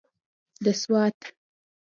د سوات.